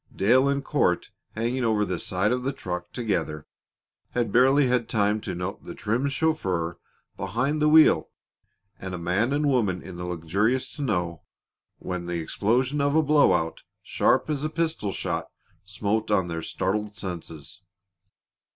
Dale and Court, hanging over the side of the truck together, had barely time to note the trim chauffeur behind the wheel and a man and woman in the luxurious tonneau when the explosion of a blow out, sharp as a pistol shot, smote on their startled senses.